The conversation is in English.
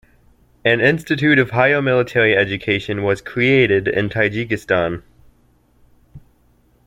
An institute of higher military education was created in Tajikistan.